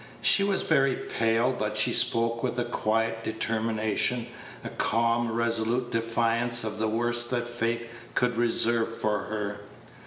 She was very pale, but she spoke with a quiet determination, a calm, resolute defiance of the worst that fate could reserve for her.